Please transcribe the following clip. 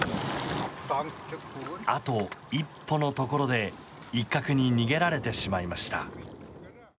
あと一歩のところでイッカクに逃げられてしまいました。